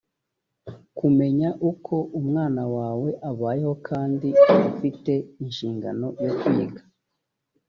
kumenya uko umwana wawe abayeho kandi ufite inshingano yo kwiga